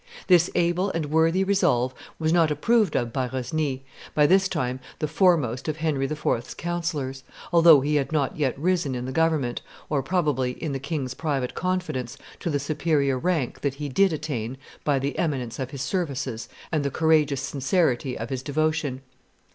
This able and worthy resolve was not approved of by Rosny, by this time the foremost of Henry's IV.'s councillors, although he had not yet risen in the government, or, probably, in the king's private confidence, to the superior rank that he did attain by the eminence of his services and the courageous sincerity of his devotion.